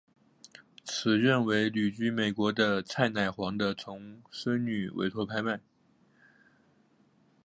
此卷为旅居美国的蔡乃煌的重孙女委托拍卖。